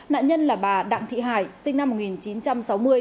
nạn nhân là bà đặng thị hải sinh năm một nghìn chín trăm sáu mươi